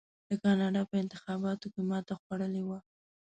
د کاناډا په انتخاباتو کې ماته خوړلې وه.